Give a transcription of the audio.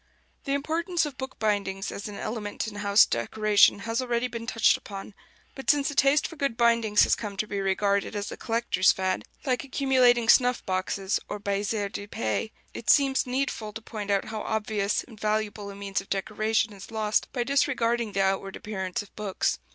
The importance of bookbindings as an element in house decoration has already been touched upon; but since a taste for good bindings has come to be regarded as a collector's fad, like accumulating snuff boxes or baisers de paix, it seems needful to point out how obvious and valuable a means of decoration is lost by disregarding the outward appearance of books.